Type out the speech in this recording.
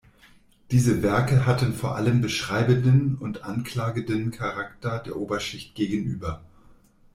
Diese Werke hatten vor allem beschreibenden und anklagenden Charakter der Oberschicht gegenüber.